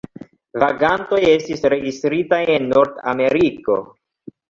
Vagantoj estis registritaj en Nordameriko.